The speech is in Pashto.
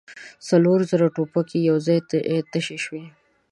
څلور زره ټوپکې يو ځای تشې شوې.